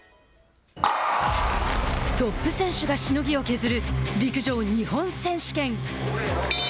トップ選手がしのぎを削る陸上日本選手権。